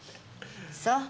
そう。